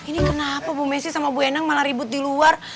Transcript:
ini kenapa bu messi sama bu endang malah ribut di luar